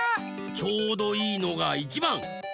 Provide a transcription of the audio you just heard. ちょうどいいのがいちばん。